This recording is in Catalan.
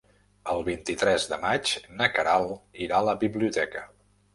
El vint-i-tres de maig na Queralt irà a la biblioteca.